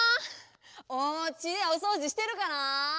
おうちでおそうじしてるかなあ？